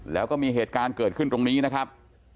แล้วก็มีเหตุการณ์เกิดขึ้นตรงนี้นะครับ